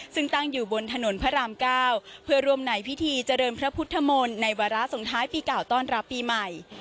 ซึ่งตั้งอยู่บนถนนพระราม๙เพื่อร่วมในพิธีเจริญพระพุทธมนต์ในวาระส่งท้ายปีเก่าต้อนรับปีใหม่